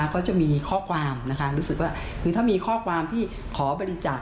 เขาจะมีข้อความรู้สึกว่าถ้ามีข้อความที่ขอบริจาค